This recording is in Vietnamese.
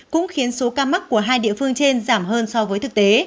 cũng khiến số ca mắc của hai địa phương trên giảm hơn so với thực tế